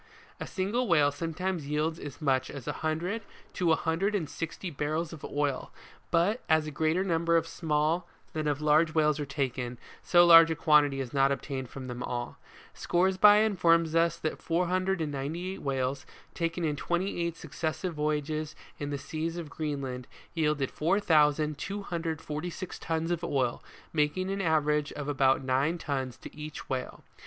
WHALE FISHING. A single whale sometimes yields as much as a hundred to a hundred and sixty barrels of oil, but as a greater number of small, than of large whales are taken, so large a quantity is not obtained from them all. Scoresby informs us that 498 whales, taken in twenty eight successive voyages in the seas of Green land, yielded 4,246 tons of oil, making an average of about nine tons to each whale.